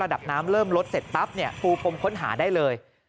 ระดับน้ำเริ่มลดเสร็จปั๊บปูพรมค้นหาได้เลย